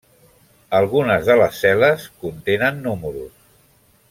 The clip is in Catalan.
Algunes de les cel·les contenen números.